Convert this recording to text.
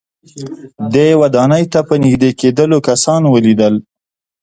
دې ودانۍ ته په نږدې کېدلو کسان وليدل.